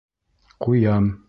Ҡуям!